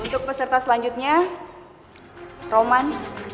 untuk peserta selanjutnya roman